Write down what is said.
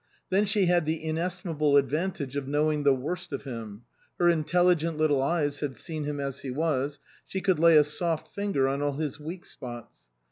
Then she had the inestimable advantage of knowing the worst of him ; her intelligent little eyes had seen him as he was ; she could lay a soft finger on all his weak spots.